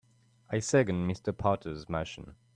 I second Mr. Potter's motion.